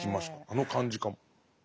あの感じかも。